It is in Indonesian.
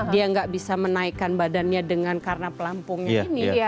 dia nggak bisa menaikkan badannya dengan karena pelampungnya ini